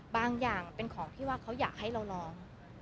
บางอย่างเป็นของที่ว่าเขาอยากให้เราลอง